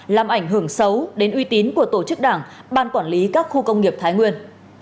làm ảnh hưởng xấu đến uy tín của tổ chức đảng ban quản lý các khu công nghiệp thái nguyên